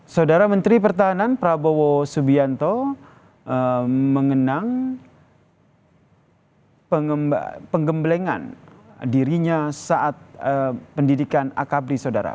saudara menteri pertahanan prabowo subianto mengenang penggemblengan dirinya saat pendidikan akabri saudara